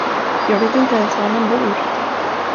Jag vet inte ens var han bor.